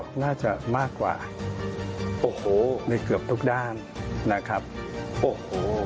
ก็น่าจะมากกว่าโอ้โหในเกือบทุกด้านนะครับโอ้โห